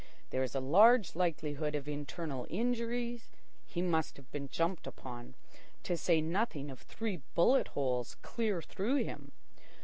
There is a large likelihood of internal injuries. He must have been jumped upon. To say nothing of three bullet holes clear through him.